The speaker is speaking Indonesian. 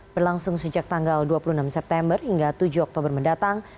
berlangsung sejak tanggal dua puluh enam september hingga tujuh oktober mendatang